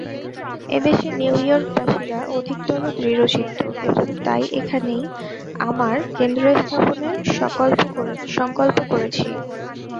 এদেশে নিউ ইয়র্কবাসীরা অধিকতর দৃঢ়চিত্ত, এবং তাই এখানেই আমার কেন্দ্রস্থাপনের সঙ্কল্প করেছি।